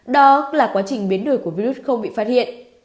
đó là quá trình biến đổi của virus không bị phát hiện